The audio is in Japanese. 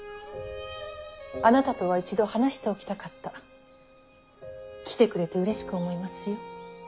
あなたとは一度話しておきたかった。来てくれてうれしく思いますよ。